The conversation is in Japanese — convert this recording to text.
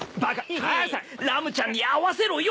ヘヘッラムちゃんに会わせろよ。